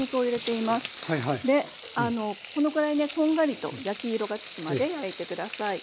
でこのくらいねこんがりと焼き色がつくまで焼いて下さい。